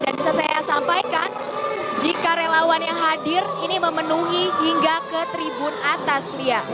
dan bisa saya sampaikan jika relawan yang hadir ini memenuhi hingga ke tribun atas